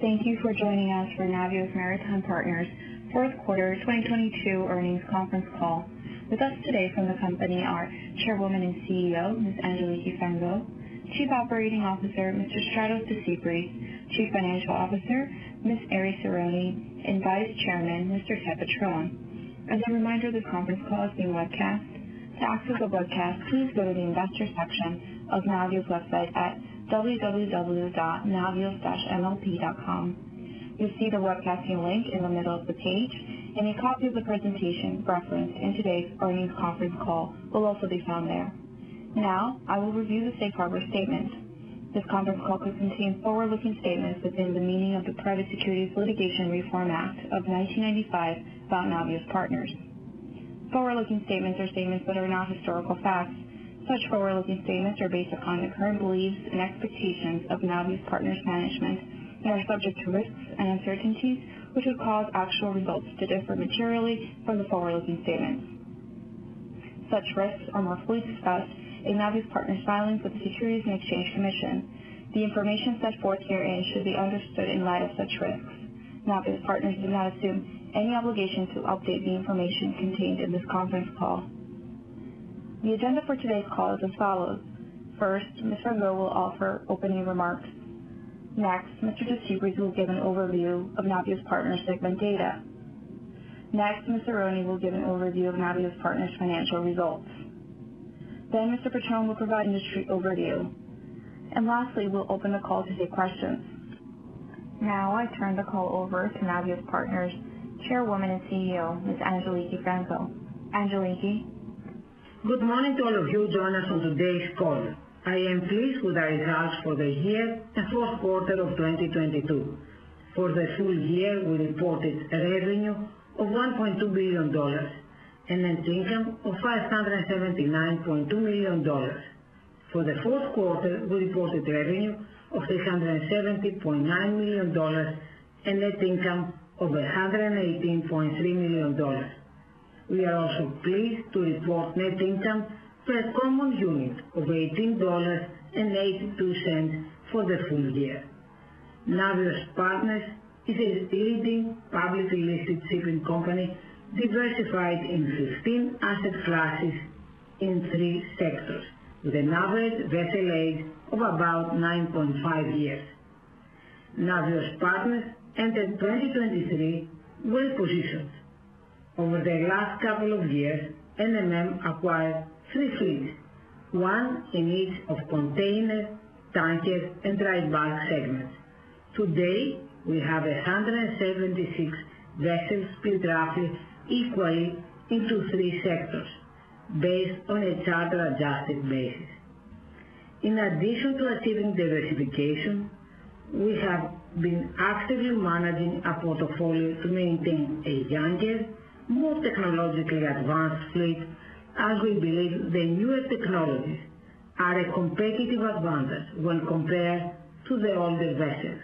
Thank you for joining us for Navios Maritime Partners fourth quarter 2022 earnings conference call. With us today from the company are Chairwoman and CEO, Ms. Angeliki Frangou, Chief Operating Officer, Mr. Stratos Desypris, Chief Financial Officer, Ms. Erifyli Tsironi, and Vice Chairman, Mr. Ted Petrone. As a reminder, the conference call is being webcast. To access the webcast, please go to the investor section of Navios website at www.navios-mlp.com. You'll see the webcasting link in the middle of the page, and a copy of the presentation referenced in today's earnings conference call will also be found there. Now I will review the safe harbor statement. This conference call could contain forward-looking statements within the meaning of the Private Securities Litigation Reform Act of 1995 about Navios Partners. Forward-looking statements are statements that are not historical facts. Such forward-looking statements are based upon the current beliefs and expectations of Navios Partners management and are subject to risks and uncertainties which would cause actual results to differ materially from the forward-looking statements. Such risks are more fully discussed in Navios Partners filing with the Securities and Exchange Commission. The information set forth herein should be understood in light of such risks. Navios Partners does not assume any obligation to update the information contained in this conference call. The agenda for today's call is as follows. First, Ms. Frangou will offer opening remarks. Next, Mr. Desypris will give an overview of Navios Partners segment data. Next, Ms. Tsironi will give an overview of Navios Partners financial results. Mr. Petrone will provide industry overview. Lastly, we'll open the call to take questions. Now I turn the call over to Navios Partners Chairwoman and CEO, Ms. Angeliki Frangou. Angeliki. Good morning to all of you joining us on today's call. I am pleased with our results for the year and fourth quarter of 2022. For the full year, we reported revenue of $1.2 billion and net income of $579.2 million. For the fourth quarter, we reported revenue of $370.9 million and net income of $118.3 million. We are also pleased to report net income per common unit of $18.82 for the full year. Navios Partners is a leading publicly listed shipping company diversified in 15 asset classes in 3 sectors with an average vessel age of about 9.5 years. Navios Partners entered 2023 with positions. Over the last couple of years, NMM acquired 3 fleets, 1 in each of container, tanker, and dry bulk segments. Today, we have 176 vessels split roughly equally into 3 sectors based on a charter-adjusted basis. In addition to achieving diversification, we have been actively managing our portfolio to maintain a younger, more technologically advanced fleet as we believe the newer technologies are a competitive advantage when compared to the older vessels.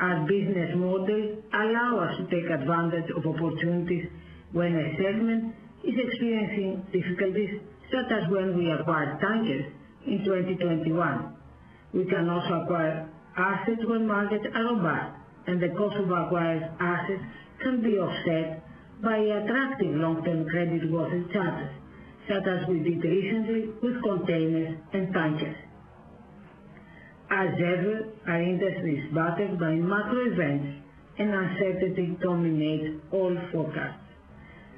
Our business model allow us to take advantage of opportunities when a segment is experiencing difficulties, such as when we acquired tankers in 2021. We can also acquire assets when markets are robust and the cost of acquired assets can be offset by attractive long-term creditworthy charters such as we did recently with containers and tankers. As ever, our industry is battered by macro events and uncertainty dominates all forecasts.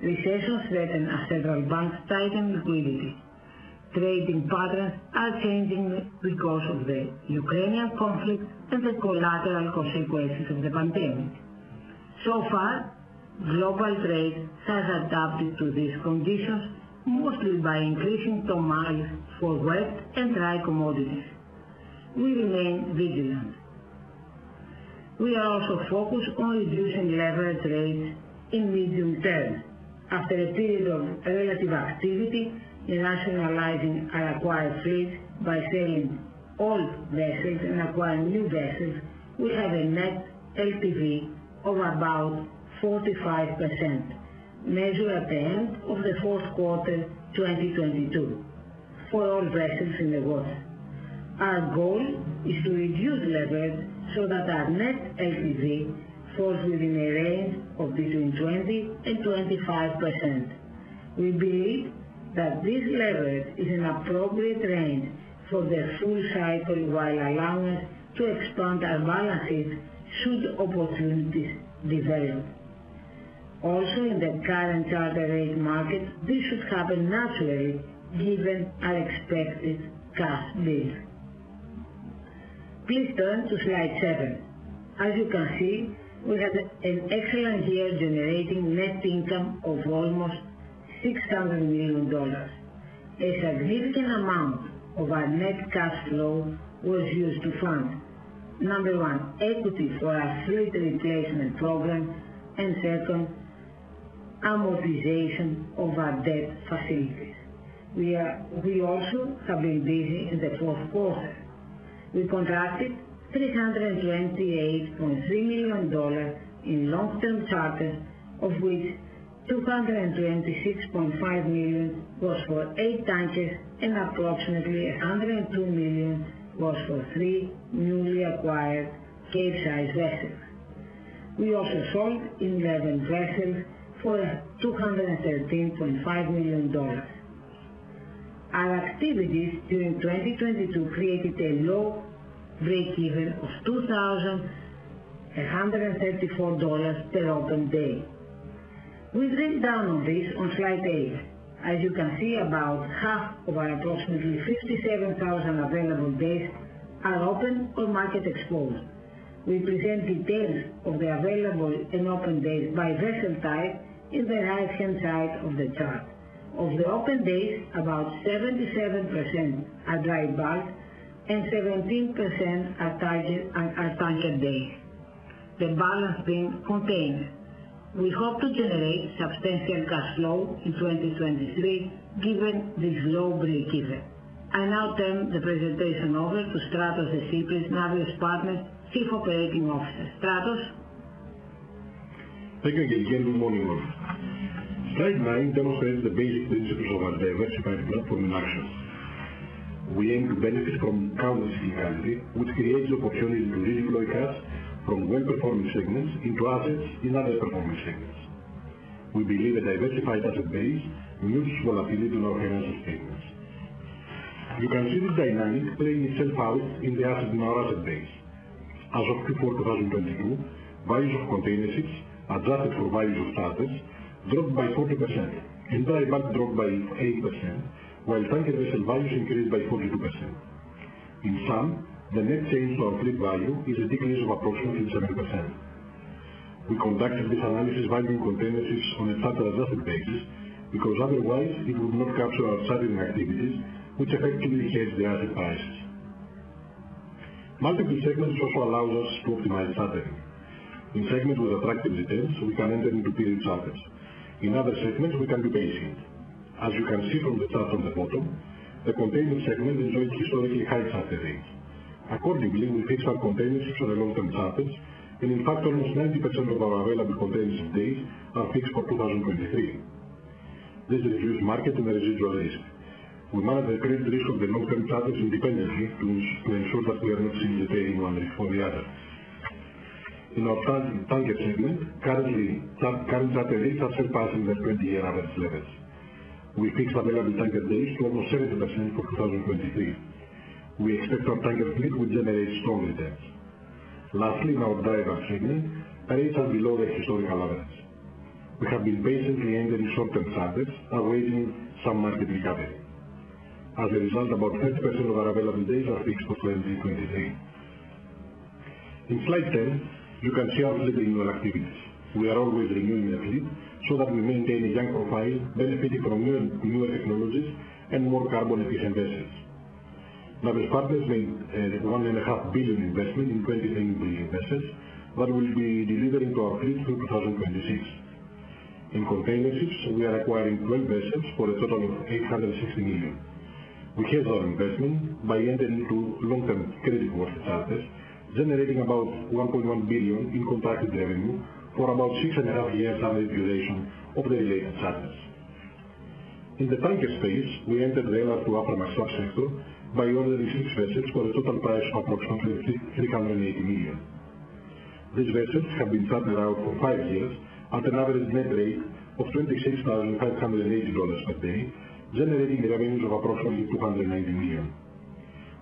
Recessions threaten as central banks tighten liquidity. Trading patterns are changing because of the Ukrainian conflict and the collateral consequences of the pandemic. Far, global trade has adapted to these conditions, mostly by increasing tonnage for wet and dry commodities. We remain vigilant. We are also focused on reducing leverage rates in medium term. After a period of relative activity in nationalizing our acquired fleets by selling old vessels and acquiring new vessels, we have a net LTV of about 45% measured at the end of the fourth quarter 2022 for all vessels in the water. Our goal is to reduce leverage so that our net LTV falls within a range of between 20% and 25%. We believe that this leverage is an appropriate range for the full cycle while allowing us to expand our balances should opportunities develop. In the current charter rate market, this should happen naturally given our expected cash deals. Please turn to slide seven. As you can see, we had an excellent year generating net income of almost $600 million. A significant amount of our net cash flow was used to fund, 1, equity for our fleet replacement program, and 2, amortization of our debt facilities. We also have been busy in the fourth quarter. We contracted $328.3 million in long-term charters, of which $226.5 million was for eight tankers and approximately $102 million was for three newly acquired Capesize vessels. We also sold 11 vessels for $213.5 million. Our activities during 2022 created a low breakeven of $2,134 per open day. We bring down on this on slide 8. As you can see, about half of our approximately 57,000 available days are open or market exposed. We present details of the available and open days by vessel type in the right-hand side of the chart. Of the open days, about 77% are dry bulk and 17% are tanker days. The balance being container. We hope to generate substantial cash flow in 2023 given this low breakeven. I now turn the presentation over to Efstratios Desypris, Navios Partners, Chief Operating Officer. EfStratios. Thank you, Angeliki, good morning, all. Slide 9 demonstrates the basic principles of our diversified platform in action. We aim to benefit from countless seasonality, which creates opportunities to redeploy cash from well-performing segments into assets in underperforming segments. We believe a diversified asset base reduces volatility to our financial statements. You can see this dynamic playing itself out in the asset in our asset base. As of Q4 2022, values of containerships adjusted for values of charters dropped by 40% and dry bulk dropped by 8%, while tanker vessel values increased by 42%. In sum, the net change to our fleet value is a decrease of approximately 7%. We conducted this analysis valuing containerships on a charter adjusted basis, because otherwise it would not capture our chartering activities, which effectively hedge the asset prices. Multiple segments also allows us to optimize chartering. In segments with attractive returns, we can enter into period charters. In other segments, we can be patient. As you can see from the chart on the bottom, the containership segment enjoys historically high charter rates. Accordingly, we fixed our containerships for the long-term charters, and in fact, almost 90% of our available containership days are fixed for 2023. This reduced market and residual risk. We manage the credit risk of the long-term charters independently to ensure that we are not simultaneously paying one for the other. In our target, tanker segment, currently current charter rates are surpassing their 20-year average levels. We fixed available tanker days to almost 70% for 2023. We expect our tanker fleet will generate strong returns. Lastly, in our driver segment, rates are below their historical average. We have been patiently entering short-term charters, awaiting some market recovery. As a result, about 30% of our available days are fixed for 2023. In slide 10, you can see our fleet renewal activities. We are always renewing our fleet so that we maintain a young profile benefiting from new, newer technologies and more carbon efficient vessels. Navios Partners made a $1.5 billion investment in 2023 vessels that will be delivered into our fleet through 2026. In containerships, we are acquiring 12 vessels for a total of $860 million. We hedge our investment by entering 2 long-term credit default charters, generating about $1.1 billion in contracted revenue for about 6.5 years average duration of the related charters. In the tanker space, we entered the LR2 Aframax sector by ordering 6 vessels for a total price of approximately $380 million. These vessels have been chartered out for 5 years at an average net rate of $26,580 per day, generating revenues of approximately $280 million.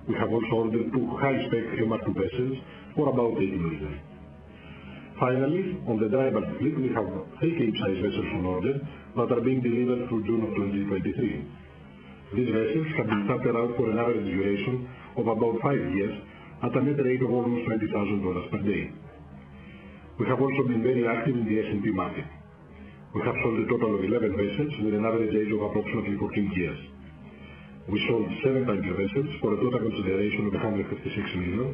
We have also ordered 2 high-spec MR2 vessels for about $80 million. Finally, on the driver fleet, we have 8 Capesize vessels on order that are being delivered through June of 2023. These vessels have been chartered out for an average duration of about 5 years at a net rate of almost $20,000 per day. We have also been very active in the S&P market. We have sold a total of 11 vessels with an average age of approximately 14 years. We sold 7 tanker vessels for a total consideration of $156 million,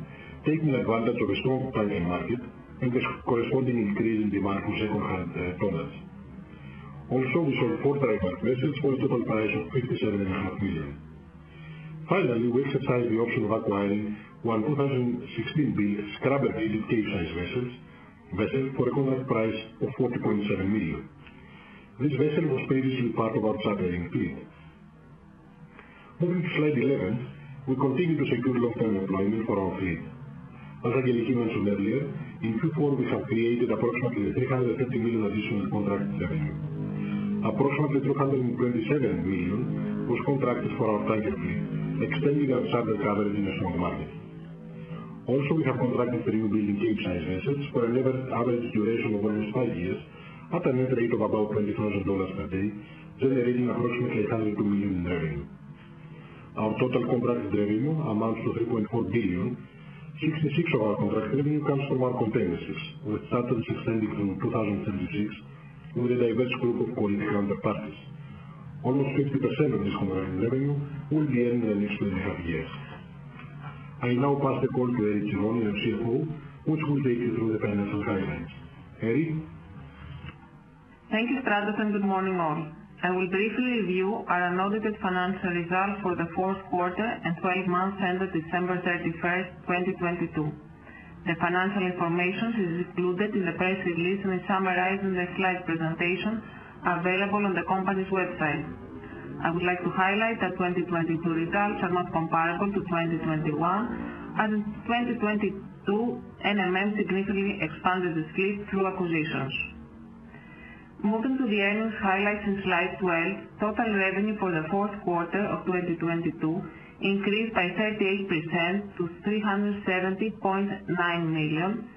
taking advantage of a strong tanker market and the corresponding increase in demand for secondhand tonnage. We sold 4 dry bulk vessels for a total price of $ fifty-seven and a half million. We exercised the option of acquiring 1 2016 built scrubber-ready Capesize vessel for a contract price of $40.7 million. This vessel was previously part of our chartering fleet. Moving to slide 11. We continue to secure long-term employment for our fleet. As Angeliki mentioned earlier, in Q4 we have created approximately $350 million additional contracted revenue. Approximately $327 million was contracted for our tanker fleet, extending our charter coverage in a strong market. We have contracted 3 newbuilding Capesize vessels for an average duration of almost 5 years at a net rate of about $20,000 per day, generating approximately $802 million in revenue. Our total contracted revenue amounts to $3.4 billion. 66 of our contracted revenue comes from our containerships, with charters extending to 2036 with a diverse group of quality counterparties. Almost 50% of this contracted revenue will be earned in the next 2 and a half years. I now pass the call to Erifyli Tsironi, our CFO, who will take you through the financial guidelines. Erifyli. Thank you, Efstratios. Good morning, all. I will briefly review our unaudited financial results for the fourth quarter and 12 months ended December 31, 2022. The financial information is included in the press release and is summarized in the slide presentation available on the company's website. I would like to highlight that 2022 results are not comparable to 2021, as in 2022, NMM significantly expanded its fleet through acquisitions. Moving to the earnings highlights in slide 12. Total revenue for the fourth quarter of 2022 increased by 38% to $370.9 million,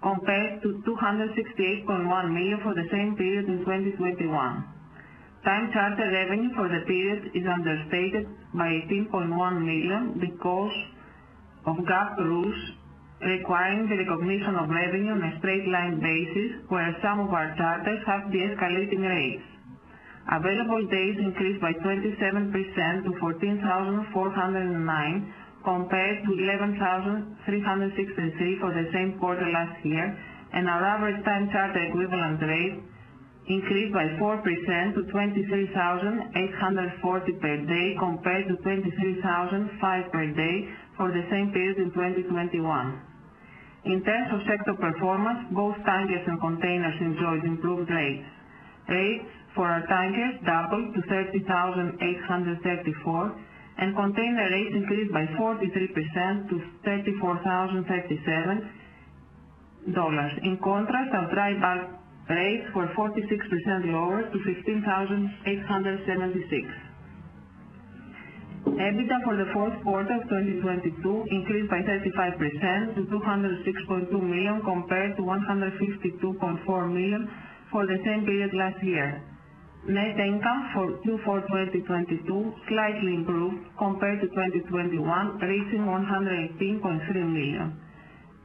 compared to $268.1 million for the same period in 2021. Time charter revenue for the period is understated by $18.1 million because of GAAP rules requiring the recognition of revenue on a straight line basis where some of our charters have de-escalating rates. Available days increased by 27% to 14,409, compared to 11,366 for the same quarter last year. Our average time charter equivalent rate increased by 4% to $23,840 per day, compared to $23,005 per day for the same period in 2021. In terms of sector performance, both tankers and containers enjoyed improved rates. Rates for our tankers doubled to $30,834. Container rates increased by 43% to $34,037. In contrast, our dry bulk rates were 46% lower to $15,876. EBITDA for the fourth quarter of 2022 increased by 35% to $206.2 million, compared to $152.4 million for the same period last year. Net income for Q4 2022 slightly improved compared to 2021, reaching $118.3 million.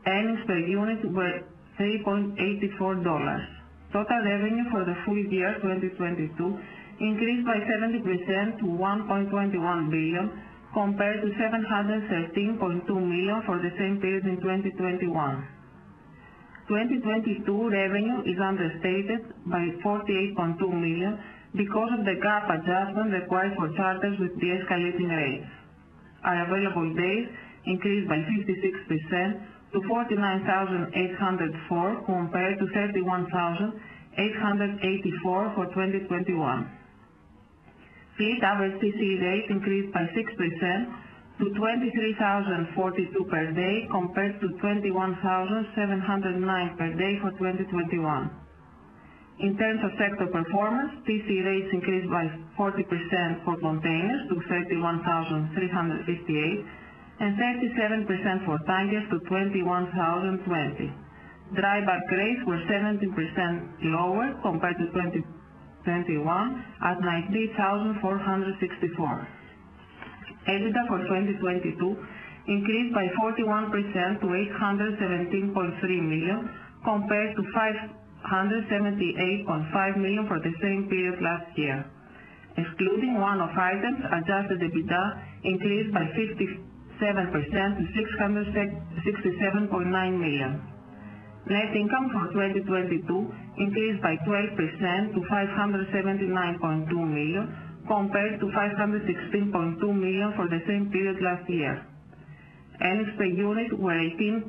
Earnings per unit were $3.84. Total revenue for the full year 2022 increased by 70% to $1.21 billion, compared to $713.2 million for the same period in 2021. 2022 revenue is understated by $48.2 million because of the GAAP adjustment required for charters with de-escalating rates. Our available days increased by 56% to 49,804, compared to 31,884 for 2021. Fleet average TCE rates increased by 6% to 23,042 per day, compared to 21,709 per day for 2021. In terms of sector performance, TCE rates increased by 40% for containers to 31,358 and 37% for tankers to 21,020. Dry bulk rates were 70% lower compared to 2021 at 19,464. EBITDA for 2022 increased by 41% to $817.3 million, compared to $578.5 million for the same period last year. Excluding one-off items, Adjusted EBITDA increased by 57% to $667.9 million. Net income for 2022 increased by 12% to $579.2 million, compared to $516.2 million for the same period last year. Earnings per unit were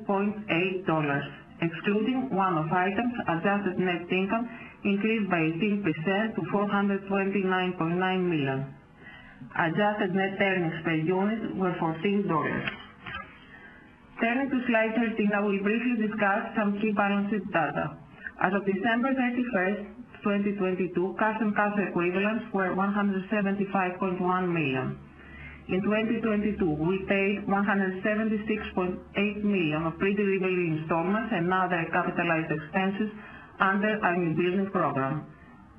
$18.8. Excluding one-off items, adjusted net income increased by 18% to $429.9 million. Adjusted net earnings per unit were $14. Turning to slide 13, I will briefly discuss some key balance sheet data. As of December 31st, 2022, cash and cash equivalents were $175.1 million. In 2022, we paid $176.8 million of pre-delivery installments and other capitalized expenses under our new business program.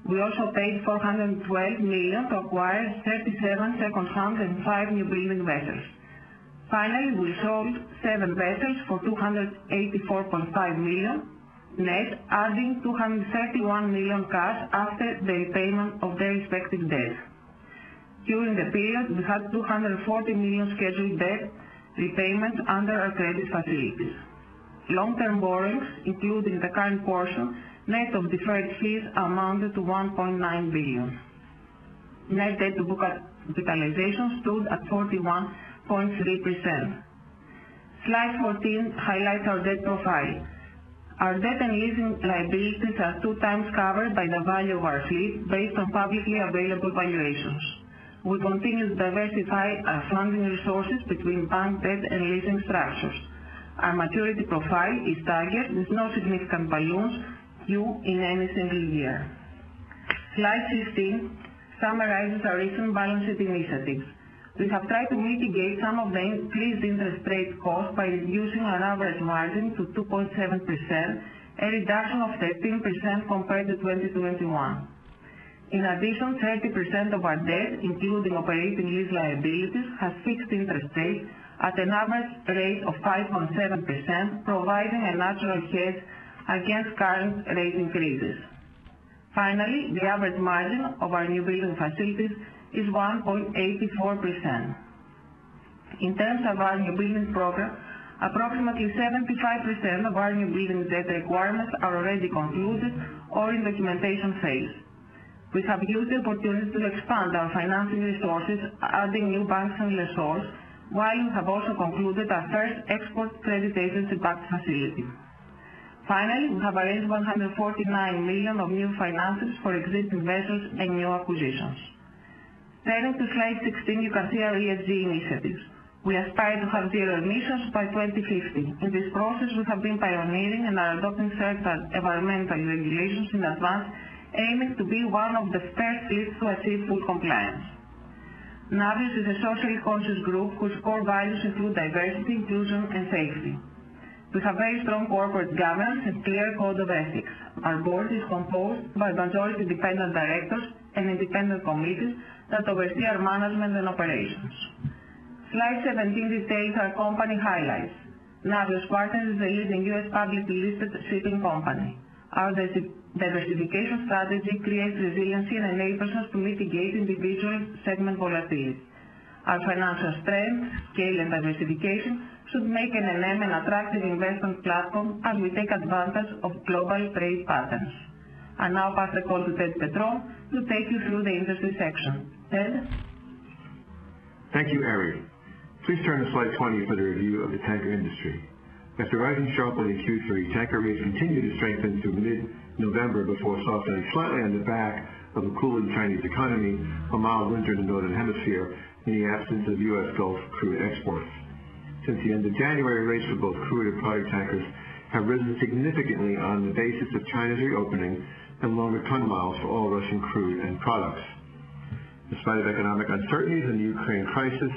We also paid $412 million to acquire 37 second-hand and 5 newbuilding vessels. We sold 7 vessels for $284.5 million net, adding $231 million cash after the repayment of their respective debts. During the period, we had $240 million scheduled debt repayments under our credit facilities. Long-term borrowings, including the current portion, net of deferred fees, amounted to $1.9 billion. Net debt to book capitalization stood at 41.3%. Slide 14 highlights our debt profile. Our debt and leasing liabilities are two times covered by the value of our fleet based on publicly available valuations. We continue to diversify our funding resources between bank debt and leasing structures. Our maturity profile is target with no significant balloons due in any single year. Slide 15 summarizes our recent balance sheet initiatives. We have tried to mitigate some of the increased interest rate costs by reducing our average margin to 2.7%, a reduction of 13% compared to 2021. In addition, 30% of our debt, including operating lease liabilities, has fixed interest rates at an average rate of 5.7%, providing a natural hedge against current rate increases. The average margin of our newbuilding facilities is 1.84%. In terms of our newbuilding program, approximately 75% of our newbuilding debt requirements are already concluded or in documentation phase. We have used the opportunity to expand our financing resources, adding new banks and lessors, while we have also concluded our first export credit agency batch facility. We have arranged $149 million of new finances for existing vessels and new acquisitions. Turning to slide 16, you can see our ESG initiatives. We aspire to have zero emissions by 2050. In this process, we have been pioneering and are adopting certain environmental regulations in advance, aiming to be one of the first fleets to achieve full compliance. Navios is a socially conscious group whose core values include diversity, inclusion and safety. We have very strong corporate governance and clear code of ethics. Our board is composed by majority independent directors and independent committees that oversee our management and operations. Slide 17 details our company highlights. Navios Partners is a leading U.S. publicly listed shipping company. Our diversification strategy creates resiliency and enables us to mitigate individual segment volatility. Our financial strength, scale and diversification should make NMM an attractive investment platform as we take advantage of global trade patterns. I now pass the call to Ted Petrone to take you through the industry section. Ted? Thank you, Erifyli. Please turn to slide 20 for the review of the tanker industry. As the rising sharp in Q3, tanker rates continued to strengthen through mid-November before softening slightly on the back of a cooling Chinese economy, a mild winter in the Northern Hemisphere, in the absence of US Gulf crude exports. Since the end of January, rates for both crude and product tankers have risen significantly on the basis of China's reopening and longer ton-miles for all Russian crude and products. Despite of economic uncertainties and the Ukraine crisis,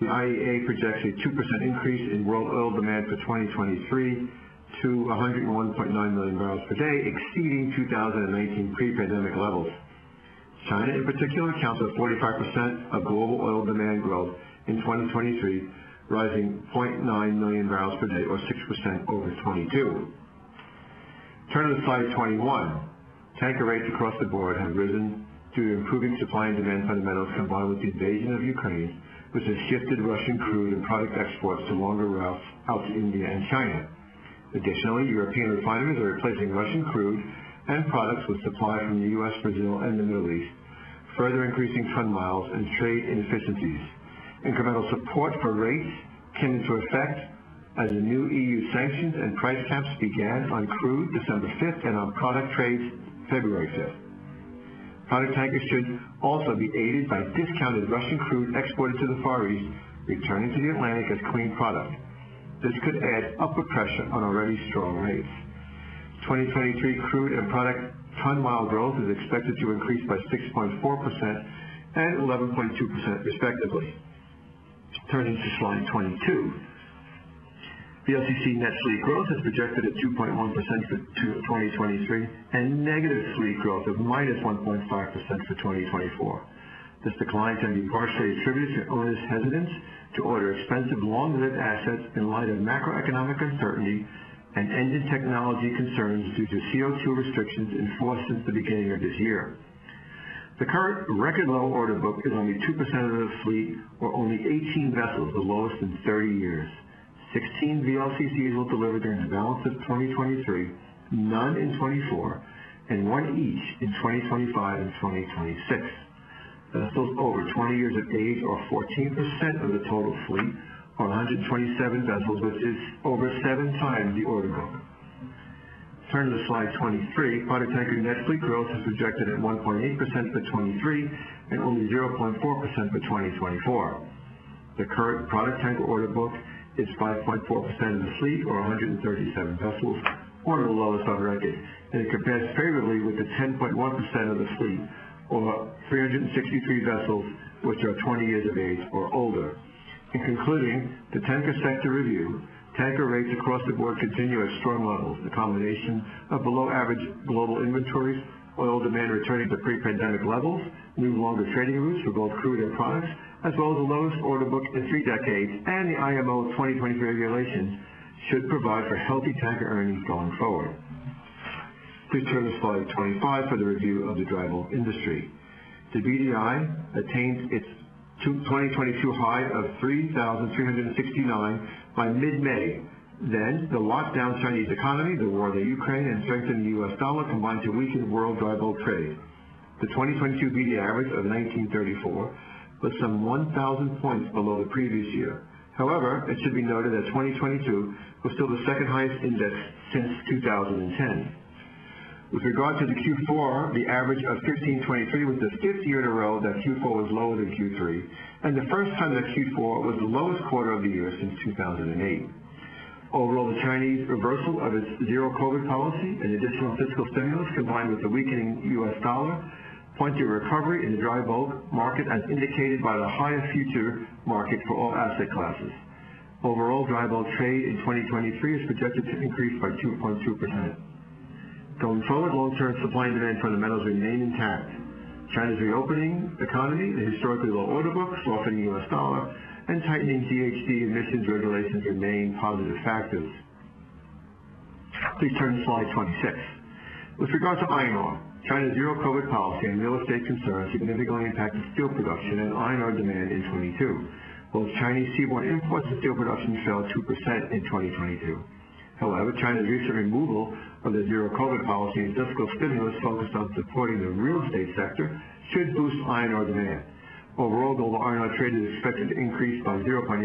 the IEA projects a 2% increase in world oil demand for 2023 to 101.9 million barrels per day, exceeding 2019 pre-pandemic levels. China, in particular, accounts for 45% of global oil demand growth in 2023, rising 0.9 million barrels per day or 6% over 2022. Turning to slide 21. Tanker rates across the board have risen due to improving supply and demand fundamentals combined with the invasion of Ukraine, which has shifted Russian crude and product exports to longer routes out to India and China. Additionally, European refineries are replacing Russian crude and products with supply from the US, Brazil and the Middle East, further increasing ton-miles and trade inefficiencies. Incremental support for rates came into effect as the new EU sanctions and price caps began on crude December 5th and on product trades February 5th. Product tankers should also be aided by discounted Russian crude exported to the Far East, returning to the Atlantic as clean product. This could add upward pressure on already strong rates. 2023 crude and product ton-mile growth is expected to increase by 6.4% and 11.2% respectively. Turning to slide 22. VLCC net fleet growth is projected at 2.1% for 2023 and negative fleet growth of -1.5% for 2024. This decline can be partially attributed to owners' hesitance to order expensive long-lived assets in light of macroeconomic uncertainty and engine technology concerns due to CO2 restrictions enforced since the beginning of this year. The current record low order book is only 2% of the fleet or only 18 vessels, the lowest in 30 years. 16 VLCCs will deliver during the balance of 2023, none in 2024, and one each in 2025 and 2026. Vessels over 20 years of age are 14% of the total fleet, or 127 vessels, which is over 7 times the order book. Turning to slide 23. Product tanker net fleet growth is projected at 1.8% for 2023 and only 0.4% for 2024. The current product tanker order book is 5.4% of the fleet or 137 vessels, one of the lowest on record, and it compares favorably with the 10.1% of the fleet or 363 vessels which are 20 years of age or older. In concluding the tanker sector review, tanker rates across the board continue at strong levels. The combination of below average global inventories, oil demand returning to pre-pandemic levels, new longer trading routes for both crude and products, as well as the lowest order books in three decades, and the IMO 2023 regulations should provide for healthy tanker earnings going forward. Please turn to slide 25 for the review of the dry bulk industry. The BDI attained its 2022 high of 3,369 by mid-May. The locked down Chinese economy, the war in the Ukraine and strength in the US dollar combined to weaken world dry bulk trade. The 2022 BDI average of 1,934 was some 1,000 points below the previous year. It should be noted that 2022 was still the second highest index since 2010. With regard to the Q4, the average of 1,523 was the 5th year in a row that Q4 was lower than Q3, and the 1st time that Q4 was the lowest quarter of the year since 2008. Overall, the Chinese reversal of its zero-COVID policy and additional fiscal stimulus combined with the weakening US dollar point to recovery in the dry bulk market, as indicated by the higher future market for all asset classes. Overall, dry bulk trade in 2023 is projected to increase by 2.2%. Going forward, long-term supply and demand fundamentals remain intact. China's reopening economy, the historically low order books, softening US dollar and tightening PHC emissions regulations remain positive factors. Please turn to slide 26. With regard to iron ore, China's zero-COVID policy and real estate concerns significantly impacted steel production and iron ore demand in 2022. Both Chinese seaborne imports and steel production fell 2% in 2022. China's recent removal of the zero-COVID policy and fiscal stimulus focused on supporting the real estate sector should boost iron ore demand. Global iron ore trade is expected to increase by 0.8%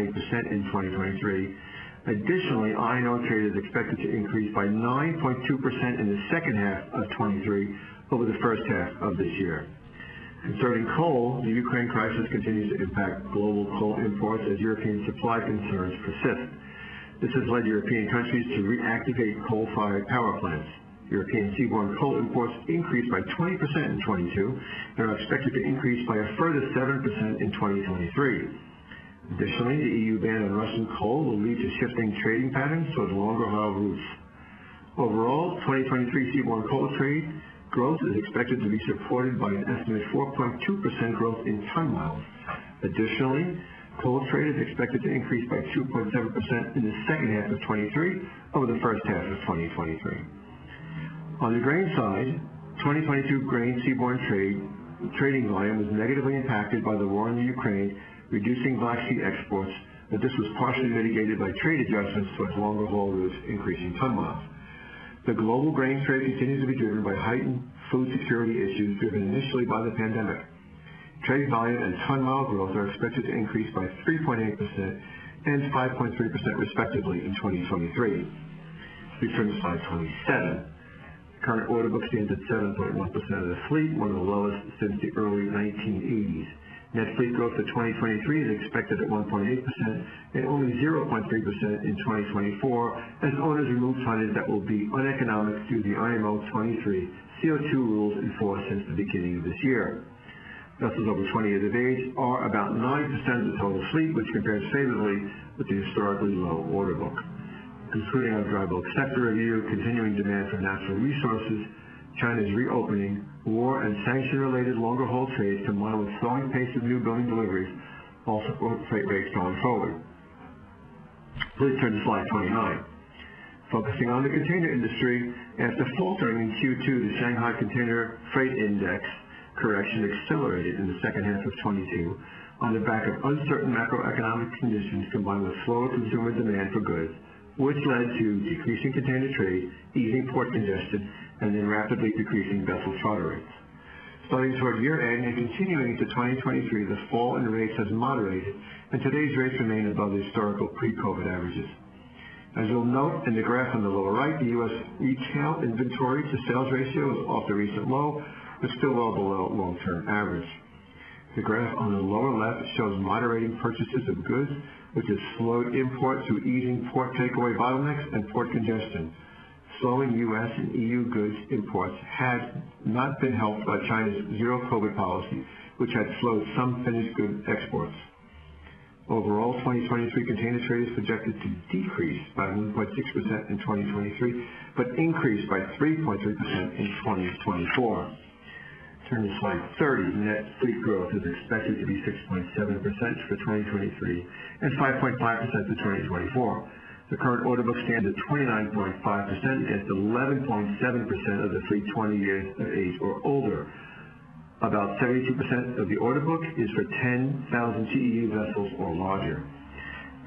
in 2023. Iron ore trade is expected to increase by 9.2% in the second half of 2023 over the first half of this year. Concerning coal, the Ukraine crisis continues to impact global coal imports as European supply concerns persist. This has led European countries to reactivate coal-fired power plants. European seaborne coal imports increased by 20% in 2022 and are expected to increase by a further 7% in 2023. The EU ban on Russian coal will lead to shifting trading patterns towards longer-haul routes. Overall, 2023 seaborne coal trade growth is expected to be supported by an estimated 4.2% growth in ton-miles. Additionally, coal trade is expected to increase by 2.7% in the second half of 2023 over the first half of 2023. On the grain side, 2022 grain seaborne trade, trading volume was negatively impacted by the war in the Ukraine, reducing Black Sea exports, but this was partially mitigated by trade adjustments towards longer-haul routes, increasing ton-miles. The global grain trade continues to be driven by heightened food security issues driven initially by the pandemic. Trade volume and ton-mile growth are expected to increase by 3.8% and 5.3% respectively in 2023. Please turn to slide 27. Current order book stands at 7.1% of the fleet, one of the lowest since the early 1980s. Net fleet growth for 2023 is expected at 1.8% and only 0.3% in 2024 as owners remove tonnage that will be uneconomic due to the IMO 2023 CO2 rules enforced since the beginning of this year. Vessels over 20 years of age are about 9% of the total fleet, which compares favorably with the historically low order book. Concluding our dry bulk sector review, continuing demand for natural resources, China's reopening, war and sanction-related longer-haul trades combined with slowing pace of new building deliveries all support freight rates going forward. Please turn to slide 29. Focusing on the container industry, after faltering in Q2, the Shanghai Containerized Freight Index correction accelerated in the second half of 2022 on the back of uncertain macroeconomic conditions combined with slower consumer demand for goods, which led to decreasing container trade, easing port congestion, and then rapidly decreasing vessel charter rates. Starting toward year-end and continuing into 2023, the fall in rates has moderated and today's rates remain above the historical pre-COVID averages. As you'll note in the graph on the lower right, the US retail inventory to sales ratio is off the recent low but still well below long-term average. The graph on the lower left shows moderating purchases of goods, which has slowed imports through easing port takeaway bottlenecks and port congestion. Slowing US and EU goods imports have not been helped by China's Zero-COVID policy, which had slowed some finished goods exports. Overall, 2023 container trade is projected to decrease by 1.6% in 2023, but increase by 3.3% in 2024. Turning to slide 30. Net fleet growth is expected to be 6.7% for 2023 and 5.5% for 2024. The current order book stands at 29.5% against 11.7% of the fleet 20 years of age or older. About 72% of the order book is for 10,000 TEU vessels or larger.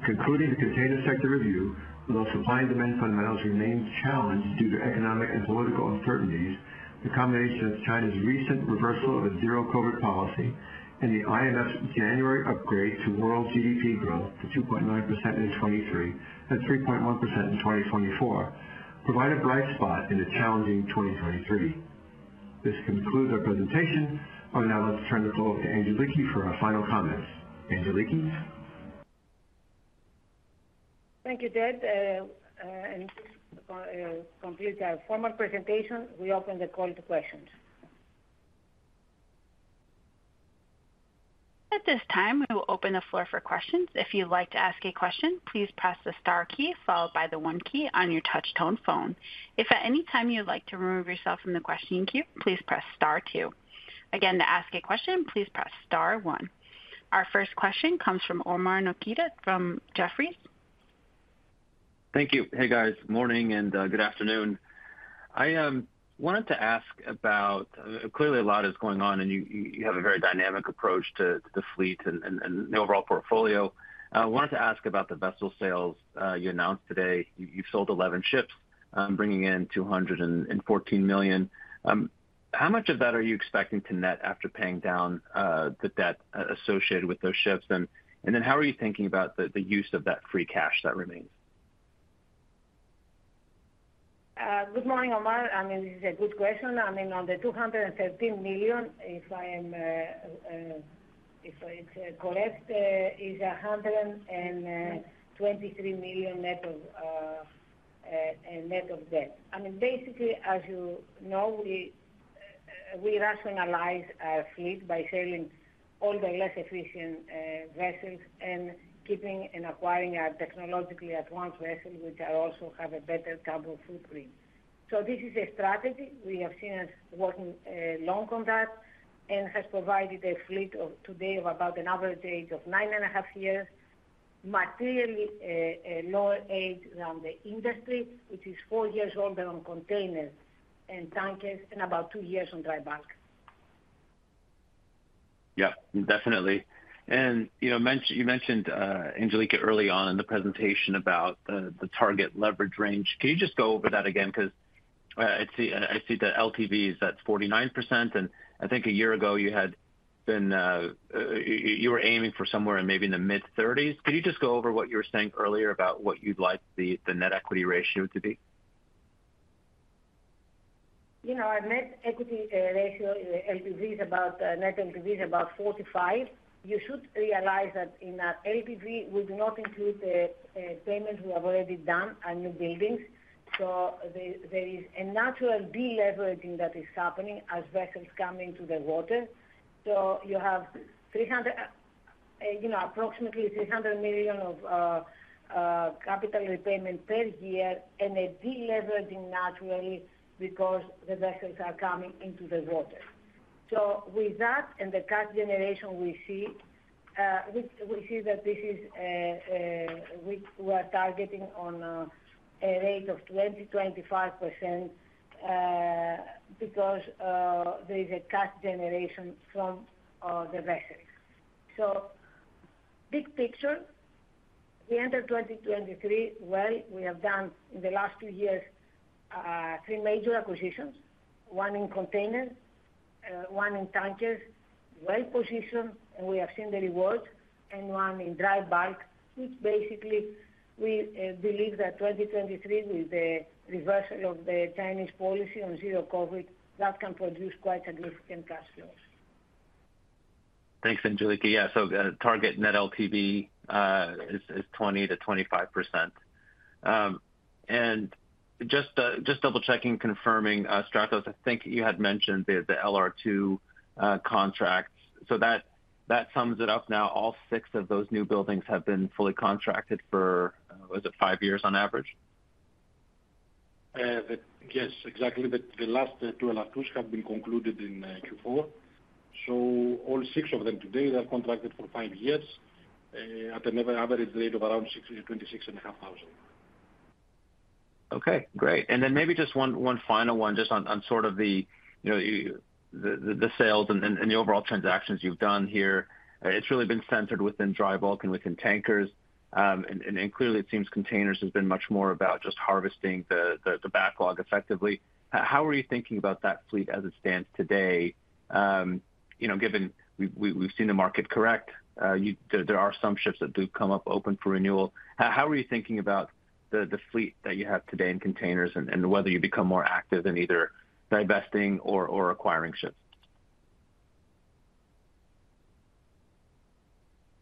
Concluding the container sector review, while supply and demand fundamentals remain challenged due to economic and political uncertainties, the combination of China's recent reversal of its zero-COVID policy and the IMF's January upgrade to world GDP growth to 2.9% in 2023 and 3.1% in 2024 provide a bright spot in a challenging 2023. This concludes our presentation. I would now like to turn the call to Angeliki for our final comments. Angeliki? Thank you, Ted. This completes our formal presentation. We open the call to questions. At this time, we will open the floor for questions. If you'd like to ask a question, please press the star key followed by the one key on your touch tone phone. If at any time you would like to remove yourself from the questioning queue, please press star two. Again, to ask a question, please press star one. Our first question comes from Omar Nokta from Jefferies. Thank you. Hey, guys. Morning and good afternoon. I wanted to ask about clearly a lot is going on and you have a very dynamic approach to the fleet and the overall portfolio. I wanted to ask about the vessel sales you announced today. You've sold 11 ships, bringing in $214 million. How much of that are you expecting to net after paying down the debt associated with those ships? How are you thinking about the use of that free cash that remains? Good morning, Omar. I mean, this is a good question. I mean, on the $213 million, if it's correct, is $123 million net of debt. I mean, basically, as you know, we rationalize our fleet by selling all the less efficient vessels and keeping and acquiring our technologically advanced vessels, which are also have a better carbon footprint. This is a strategy we have seen us working long on that, and has provided a fleet of today of about an average age of 9.5 years, materially lower age than the industry, which is 4 years older on containers and tankers and about 2 years on dry bulk. Yeah, definitely. You know, you mentioned Angeliki, early on in the presentation about the target leverage range. Can you just go over that again? I see the LTV is at 49%, and I think 1 year ago you had been aiming for somewhere in maybe in the mid-30s. Could you just go over what you were saying earlier about what you'd like the net equity ratio to be? You know, our net equity ratio, LTV is about net LTV is about 45. You should realize that in our LTV, we do not include the payments we have already done on new buildings. There is a natural deleveraging that is happening as vessels come into the water. You have 300, you know, approximately $300 million of capital repayment per year and a deleveraging naturally because the vessels are coming into the water. With that and the cash generation we see, we see that this is, we are targeting on a rate of 20%-25% because there is a cash generation from the vessels. Big picture, we enter 2023, well, we have done in the last 2 years, 3 major acquisitions, one in containers, one in tankers, well-positioned, and we have seen the rewards, and one in dry bulk, which basically we believe that 2023 with the reversal of the Chinese policy on zero-COVID, that can produce quite significant cash flows. Thanks, Angeliki. Yeah. Target net LTV is 20%-25%. Just double checking, confirming, Stratos, I think you had mentioned the LR2 contracts. That sums it up now, all 6 of those new buildings have been fully contracted for, was it 5 years on average? Yes, exactly. The last 2 LR2s have been concluded in Q4. All 6 of them today are contracted for 5 years, at an average rate of around $six hundred and twenty-six and a half thousand. Okay, great. Then maybe just one final one just on sort of the, you know, the sales and the overall transactions you've done here. It's really been centered within dry bulk and within tankers. Clearly it seems containers have been much more about just harvesting the backlog effectively. How are you thinking about that fleet as it stands today, you know, given we've seen the market correct. There are some ships that do come up open for renewal. How are you thinking about the fleet that you have today in containers and whether you become more active in either divesting or acquiring ships?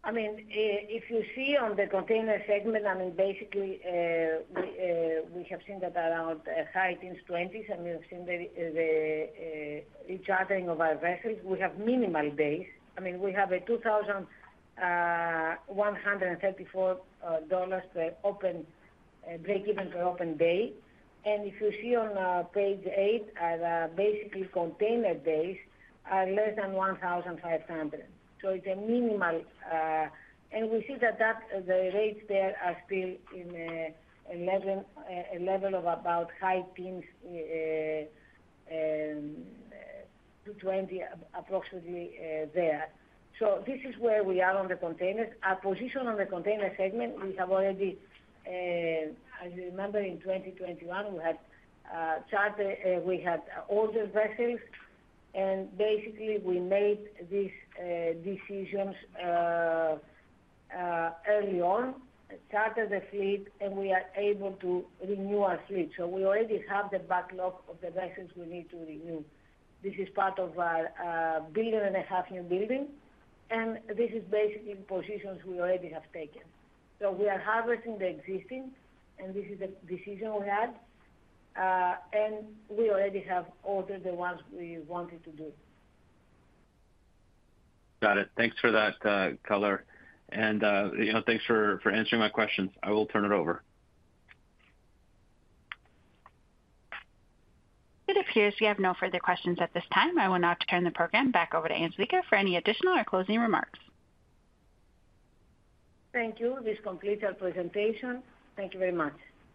I mean, if you see on the container segment, I mean, basically, we have seen that around high teens, $20s, and we have seen the rechartering of our vessels. We have minimal days. I mean, we have a $2,134 per open break even per open day. If you see on page 8 at basically container days are less than 1,500. It's a minimal. We see that the rates there are still in a level, a level of about high teens to $20 approximately there. This is where we are on the containers. Our position on the container segment, we have already, as you remember in 2021, we had chartered, we had older vessels, and basically we made these decisions early on, chartered the fleet, and we are able to renew our fleet. We already have the backlog of the vessels we need to renew. This is part of our billion and a half new building, and this is basically positions we already have taken. We are harvesting the existing, and this is the decision we had, and we already have ordered the ones we wanted to do. Got it. Thanks for that color. You know, thanks for answering my questions. I will turn it over. It appears we have no further questions at this time. I will now turn the program back over to Angeliki for any additional or closing remarks. Thank you. This completes our presentation. Thank you very much.